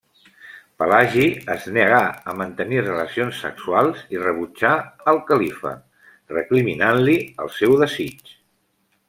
Pelagi es negà a mantenir relacions sexuals i rebutjà el califa, recriminant-li el seu desig.